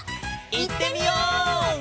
いってみよう！